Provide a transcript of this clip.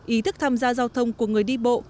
ý thức tham gia giao thông của người đi bộ